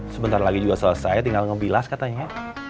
sebentar lagi juga selesai tinggal ngebilas katanya